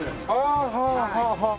ああはあはあはあ。